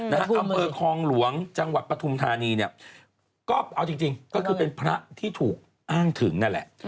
อำเภอคลองหลวงจังหวัดปฐุมธานีเนี่ยก็เอาจริงก็คือเป็นพระที่ถูกอ้างถึงนั่นแหละ